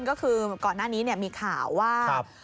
ก่อนหน้านี้มีข่าวว่า